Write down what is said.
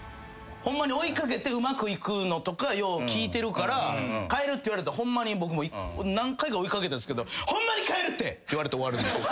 ホンマに追い掛けてうまくいくのとかよう聞いてるから「帰る」って言われたらホンマに僕も何回か追い掛けたんすけど。って言われて終わるんですよ。